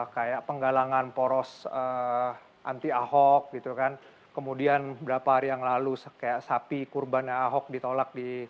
kayak penggalangan poros anti ahok gitu kan kemudian berapa hari yang lalu kayak sapi kurban ahok ditolak